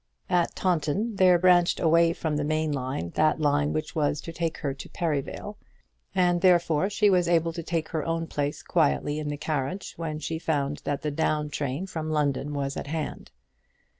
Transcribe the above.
At Taunton there branched away from the main line that line which was to take her to Perivale, and therefore she was able to take her own place quietly in the carriage when she found that the down train from London was at hand.